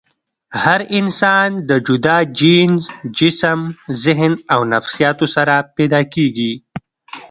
هر انسان د جدا جينز ، جسم ، ذهن او نفسياتو سره پېدا کيږي